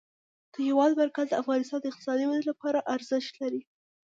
د هېواد مرکز د افغانستان د اقتصادي ودې لپاره ارزښت لري.